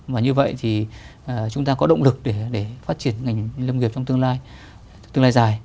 và như vậy thì chúng ta có động lực để phát triển ngành lâm nghiệp trong tương lai dài